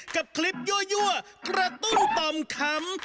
กับคลิปยั่วกระตุ้นต่อมขำ